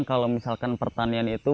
kalau misalkan pertanian itu